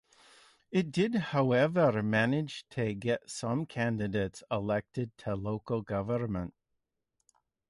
It did however manage to get some candidates elected to local government.